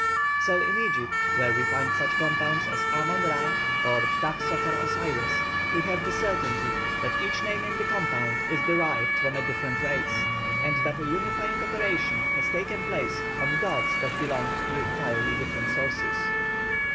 So in Egypt, when we find such compounds as Amon Ra, or Ptah Sokar Osiris, we have the certainty that each name in the compound is derived from a different race, and that a unifying operation has taken place on gods that belonged to entirely different sources.